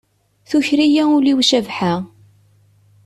Tuker-iyi ul-iw Cabḥa.